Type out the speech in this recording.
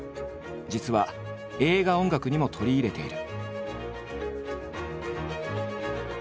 実は映画音楽にも取り入れている。